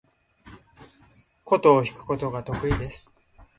箏を弾くことが得意です。